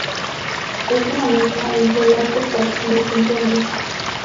Es una mezcla entre el arte pop y el puntillismo.